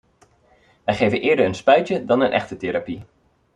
Wij geven eerder een spuitje dan een echte therapie.